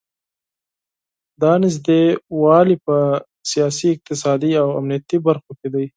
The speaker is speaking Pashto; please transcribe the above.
دا نږدې والی په سیاسي، اقتصادي او امنیتي برخو کې دی.